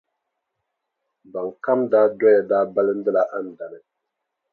Ban kam daa doya daa balindila Andani.